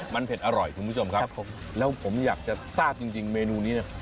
มันเผ็ดอร่อยคุณผู้ชมครับผมแล้วผมอยากจะทราบจริงเมนูนี้เนี่ย